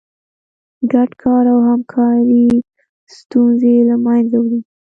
ګډ کار او همکاري ستونزې له منځه وړي.